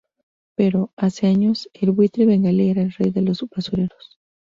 Pero, hace años, el buitre bengalí era el rey de los basureros.